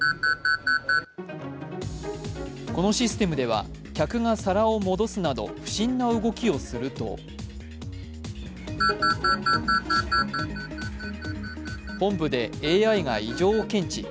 このシステムでは客が皿を戻すなど不審な動きをすると本部でＡＩが異常を検知。